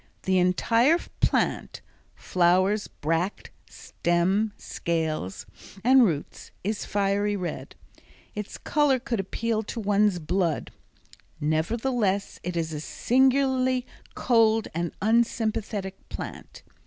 The entire plant—flowers, bracts, stem, scales, and roots—is fiery red. Its color could appeal to one's blood. Nevertheless, it is a singularly cold and unsympathetic plant.